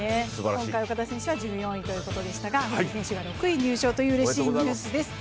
今回岡田選手は１４位でしたが藤井菜々子選手が６位入賞といううれしいニュースです。